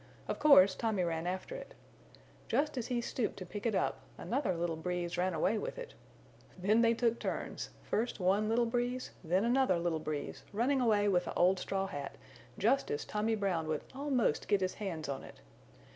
Of course Tommy ran after it. Just as he stooped to pick it up another little Breeze ran away with it. Then they took turns, first one little Breeze, then another little Breeze running away with the old straw hat just as Tommy Brown would almost get his hands on it.